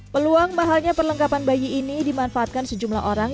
peluang mahalnya perlengkapan bayi ini dimanfaatkan sejumlah orang